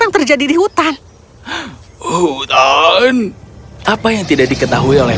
dan dia juga sangat parah